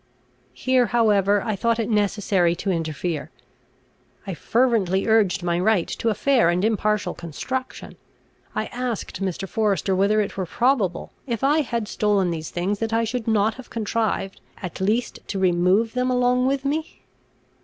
Here however I thought it necessary to interfere. I fervently urged my right to a fair and impartial construction. I asked Mr. Forester, whether it were probable, if I had stolen these things, that I should not have contrived, at least to remove them along with me?